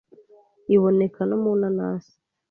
iboneka no mu nanasi